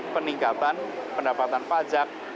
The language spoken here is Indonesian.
peningkatan pendapatan pajak